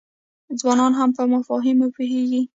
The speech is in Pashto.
ځوانان هم په مفاهیمو پوهیږي.